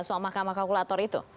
soal mahkamah kalkulator itu